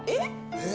えっ？